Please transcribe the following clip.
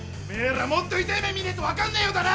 らもっと痛い目見ねえと分かんねえようだな。